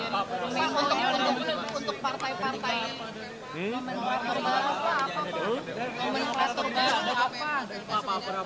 untuk partai partai komen komen apa